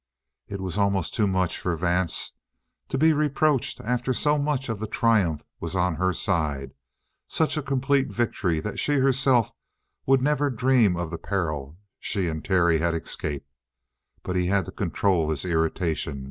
It was almost too much for Vance to be reproached after so much of the triumph was on her side such a complete victory that she herself would never dream of the peril she and Terry had escaped. But he had to control his irritation.